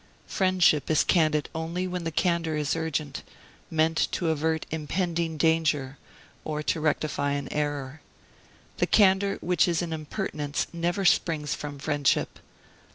Friendship is candid only when the candor is urgent meant to avert impending danger or to rectify an error. The candor which is an impertinence never springs from friendship.